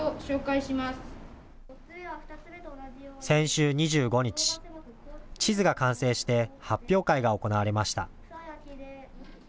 先週２５日、地図が完成して発表会が行われました。